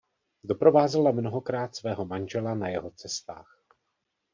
Doprovázela mnohokrát svého manžela na jeho cestách.